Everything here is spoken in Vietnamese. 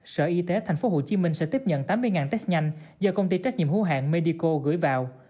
sở y tế tp hcm sẽ tiếp nhận tám mươi test nhanh do công ty trách nhiệm hữu hạng medico gửi vào